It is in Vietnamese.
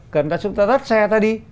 cần ta xuống ta rắt xe ta đi